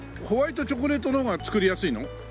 ホワイトチョコレートの方が作りやすいの？